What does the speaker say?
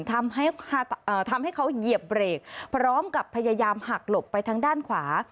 ทำให้ทำให้เขาเหยียบเบรกพร้อมกับพยายามหักหลบไปทางด้านขวา